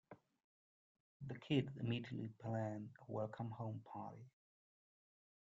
The kids immediately plan a "Welcome Home" party.